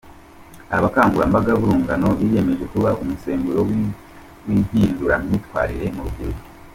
Aba bakangurambaga b’urungano biyemeje kuba umusemburo w’impinduramyitwarire mu rubyiruko.